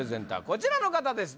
こちらの方です